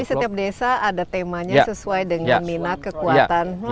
jadi setiap desa ada temanya sesuai dengan minat kekuatan